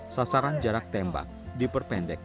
sasaran jarak tembak diperpendek